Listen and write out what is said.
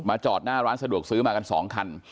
จอดหน้าร้านสะดวกซื้อมากัน๒คัน